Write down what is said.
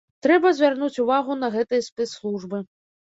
Трэба звярнуць увагу на гэтыя спецслужбы.